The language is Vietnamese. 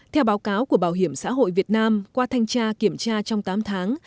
theo báo cáo của bảo hiểm xã hội việt nam qua thanh tra kiểm tra trong tám tháng